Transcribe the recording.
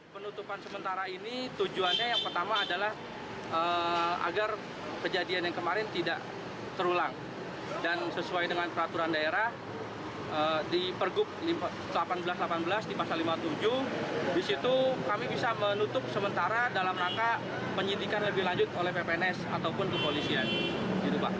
penutupan sementara ini tujuannya yang pertama adalah agar kejadian yang kemarin tidak terulang